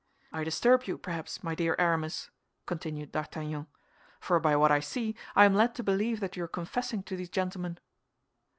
"I disturb you, perhaps, my dear Aramis," continued D'Artagnan, "for by what I see, I am led to believe that you are confessing to these gentlemen."